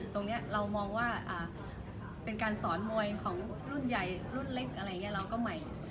ตรงนี้เรามองว่าเป็นการสอนมวยของรุ่นใหญ่รุ่นเล็กอะไรอย่างนี้เราก็ใหม่